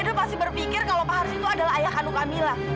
edo pasti berpikir kalau pak haris itu adalah ayah kanu kamila